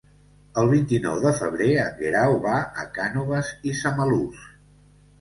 El vint-i-nou de febrer en Guerau va a Cànoves i Samalús.